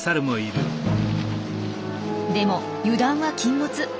でも油断は禁物。